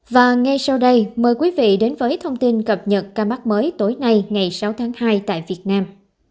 và ngay sau đây mời quý vị đến với thông tin cập nhật ca mắc mới tối nay ngày sáu tháng hai tại việt nam